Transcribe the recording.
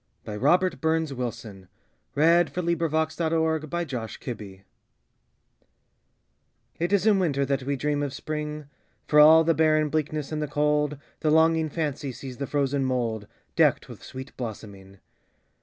By Robert BurnsWilson 1047 It Is in Winter That We Dream of Spring IT is in Winter that we dream of Spring; For all the barren bleakness and the cold, The longing fancy sees the frozen mouldDecked with sweet blossoming.